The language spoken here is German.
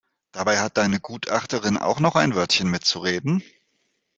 Dabei hat deine Gutachterin auch noch ein Wörtchen mitzureden.